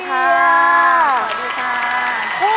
สวัสดีค่ะ